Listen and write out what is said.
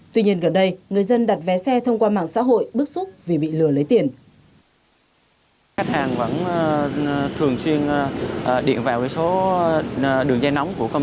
tuy nhiên gần đây người dân đặt vé xe thông qua mạng xã hội bức xúc vì bị lừa lấy tiền